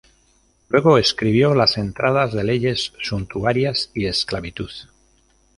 Luego escribió las entradas de leyes suntuarias y esclavitud.